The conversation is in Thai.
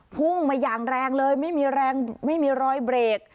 พุ่งมาอย่างแรงเลยไม่มีแรงไม่มีรอยเบรก